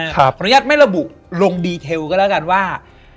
ขออนุญาตไม่ระบุลงดีเทลก็แล้วกันว่า